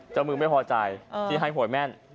เจ้ามือไม่พอใจที่ให้หวยแม่น